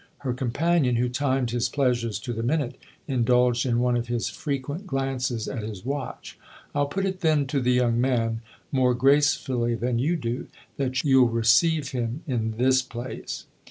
Her companion, who timed his pleasures to the minute, indulged in one of his frequent glances at his watch. " I'll put it then to the young man more gracefully than you do that you'll receive him in this place."